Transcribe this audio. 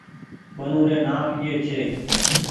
ونوري نآم ايئي ڇي